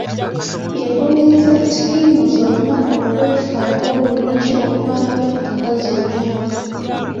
yakubirizza ttiimu zonna okwefaako obulungi okumalako empaka zonna.